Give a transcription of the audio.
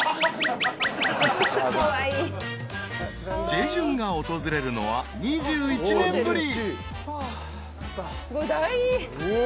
［ジェジュンが訪れるのは２１年ぶり］